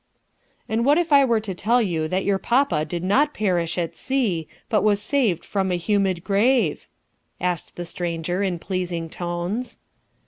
"And what if I were to tell you that your papa did not perish at sea, but was saved from a humid grave?" asked the stranger in pleasing tones.